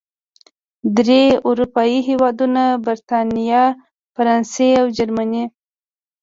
درې اروپايي هېوادونو، بریتانیا، فرانسې او جرمني